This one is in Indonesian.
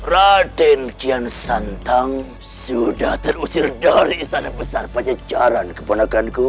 raden kian santang sudah terusir dari istana besar pancacaran keponakan ku